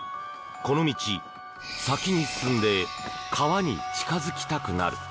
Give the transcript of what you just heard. この道、先に進んで川に近づきたくなる。